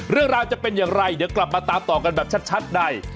เรื่องราวจะเป็นอย่างไรเดี๋ยวกลับมาตามต่อกันแบบชัดใน